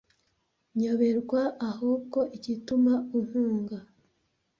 Nyoberwa ahubwo igituma umpunga